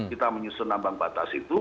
kita menyusun ambang batas itu